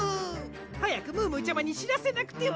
はやくムームーちゃまにしらせなくては！